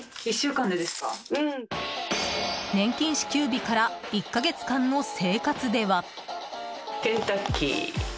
年金支給日から１か月間の生活では。